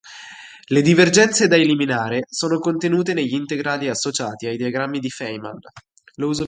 Le divergenze da eliminare sono contenute negli integrali associati ai diagrammi di Feynman.